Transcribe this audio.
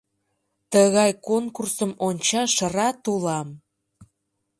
— Тыгай конкурсым ончаш рат улам!